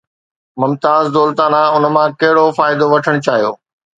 ممتاز دولتانه ان مان ڪهڙو فائدو وٺڻ چاهيو؟